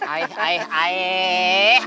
aih aih aih